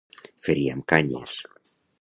Ferir amb canyes.